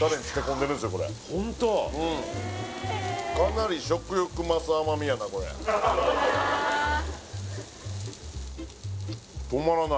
うんかなり食欲増す甘みやな